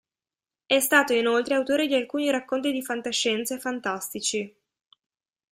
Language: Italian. È stato inoltre autore di alcuni racconti di fantascienza e fantastici.